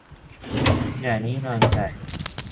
อย่านิ่งนอนใจ